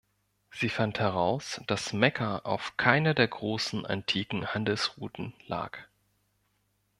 Sie fand heraus, dass Mekka auf keiner der großen antiken Handelsrouten lag.